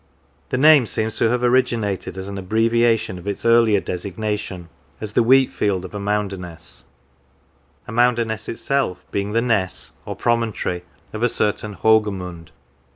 The name seems to have originated as an abbreviation of its earlier designation as the wheat field of Amounderness, Amounderness itself being the ness or promontory of a certain Hogemund.